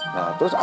nah terus ada lagi